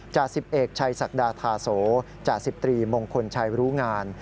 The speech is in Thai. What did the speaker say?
จ่า๑๑ชัยศักดาธาโสจ่า๑๓มงคลชัยรู้งาน